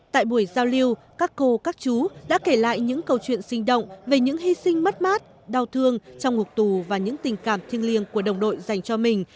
tại buổi giao lưu các cô các chú đã kể lại những câu chuyện sinh động về những hy sinh mất mát đau thương trong ngục tù và những tình cảm thiêng liêng của đồng đội dành cho mình